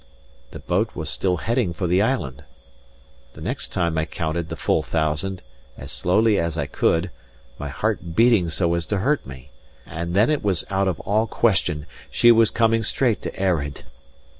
The boat was still heading for the island. The next time I counted the full thousand, as slowly as I could, my heart beating so as to hurt me. And then it was out of all question. She was coming straight to Earraid!